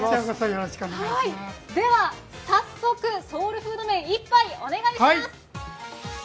では早速、ソウルフード麺、１杯お願いします。